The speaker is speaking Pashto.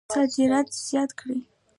صادرات زیات کړئ